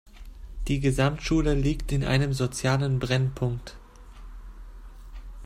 Die Gesamtschule liegt in einem sozialen Brennpunkt.